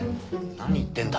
何言ってんだ。